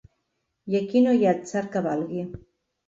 I aquí no hi ha atzar que valgui.